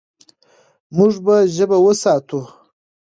موږ به ژبه وساتو.